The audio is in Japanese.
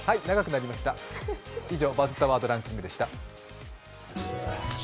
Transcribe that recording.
長くなりました、以上「バズったワードランキング」でした。